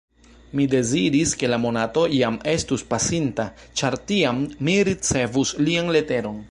Mi deziris, ke la monato jam estus pasinta, ĉar tiam mi ricevus lian leteron.